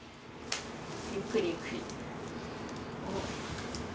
ゆっくりゆっくり。